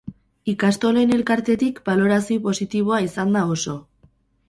Ikastolen elkartetik balorazio positiboa izan da oso.